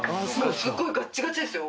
すっごいガッチガチですよ。